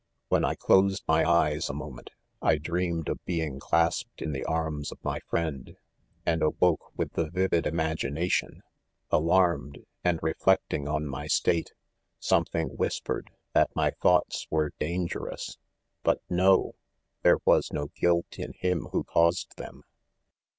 I When I closed my eyes, a moment, I dreamed of being clasped in the arms of my friend, and awoke with the vivid imagination, alarmed, and reflecting on my state — some thing whispered that my thoughts were dan gerous — rbut no S — there was no guilt in him who caused them.